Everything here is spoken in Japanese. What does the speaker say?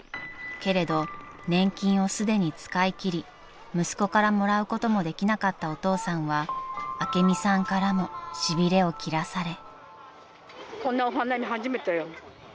［けれど年金をすでに使い切り息子からもらうこともできなかったお父さんは朱美さんからもしびれを切らされ］